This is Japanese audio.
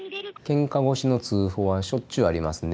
けんか腰の通報はしょっちゅうありますね。